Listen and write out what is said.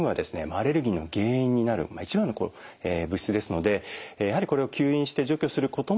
アレルギーの原因になる一番の物質ですのでやはりこれを吸引して除去することも重要かと思います。